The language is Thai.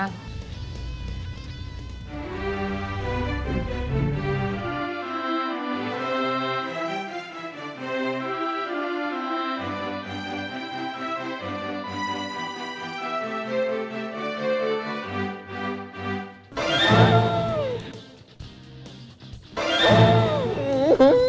อ้าว